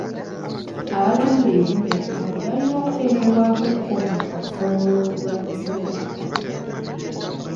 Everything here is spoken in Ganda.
Abatunda ebyuma ebikadde balina okuteekebwako ekkomo okusobola okulwanyisa obubbi.